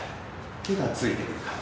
手がついてくる感じ。